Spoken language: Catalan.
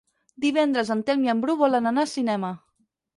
Divendres en Telm i en Bru volen anar al cinema.